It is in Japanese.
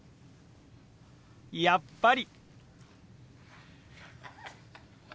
やっぱり！